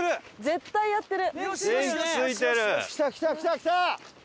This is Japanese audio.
絶対やってる！